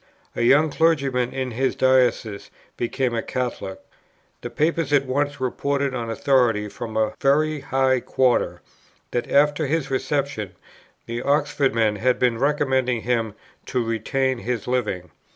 A young clergyman in his diocese became a Catholic; the papers at once reported on authority from "a very high quarter," that, after his reception, "the Oxford men had been recommending him to retain his living."